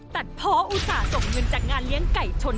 ตัดเพราะอุตส่าห์ส่งเงินจากงานเลี้ยงไก่ชน